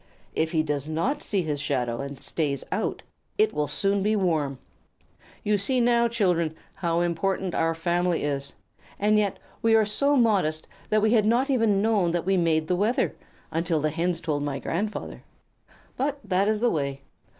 If he does not see his shadow, and stays out, it will soon be warm. "You see now, children, how important our family is; and yet we are so modest that we had not even known that we made the weather until the Hens told my grandfather. But that is the way!